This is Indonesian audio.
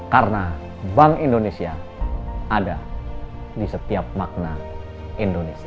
karena bank indonesia ada di setiap makna indonesia